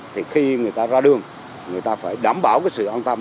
thì khi người ta ra đường người ta phải đảm bảo cái sự an tâm